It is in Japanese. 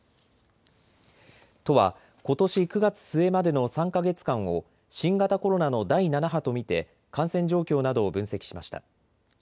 都はことし９月末までの３か月間を新型コロナの第７波と見て感染状況などを分析しました。